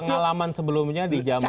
pengalaman sebelumnya di jaman